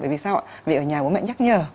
vì sao ạ vì ở nhà bố mẹ nhắc nhờ